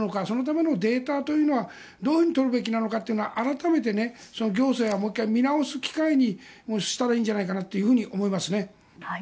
そのためのデータというのはどう取るべきなのかというのは改めて行政はもう１回、見直す機会にしたらいいんじゃないかって思いますね。